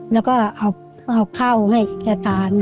แล้วก็เอาข้าวให้เช็ดตัวให้